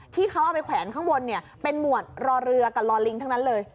ที่เขาเอาไปแขวนข้างบนเป็นหมวดรอเรือกับรอลิงทั้งนั้นเลย